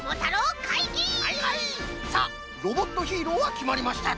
さあロボットヒーローはきまりました。